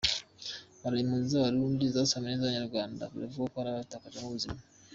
Malawi: Impunzi z’Abarundi zashyamiranye n’iz’Abanyarwanda biravugwa ko hari ababitakarijemo ubuzima.